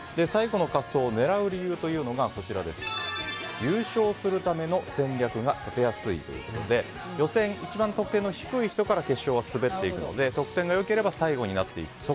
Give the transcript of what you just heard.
最後の滑走を狙う理由というのが優勝するための戦略が立てやすいということで予選、一番得点の低い人から決勝は滑っていくので得点が良ければ最後になっていく。